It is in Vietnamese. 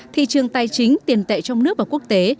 thị trường tài chính tiền tệ trong nước và quốc tế